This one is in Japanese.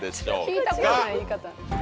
聞いたことない言い方。